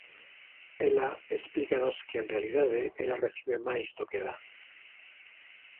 Ela explícanos que en realidade ela recibe máis do que dá.